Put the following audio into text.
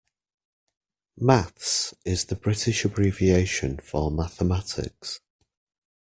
Maths is the British abbreviation for mathematics